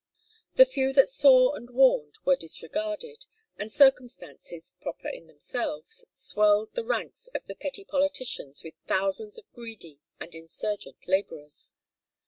The few that saw and warned were disregarded; and circumstances, proper in themselves, swelled the ranks of the petty politicians with thousands of greedy and insurgent laborers.